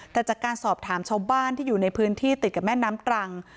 แต่จากการสอบถามชาวบ้านที่อยู่ในพื้นที่ติดกับแม่น้ำตรัง